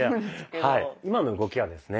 今の動きはですね